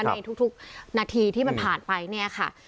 ในทุกนาทีที่มันผ่านไปเนี่ยค่ะ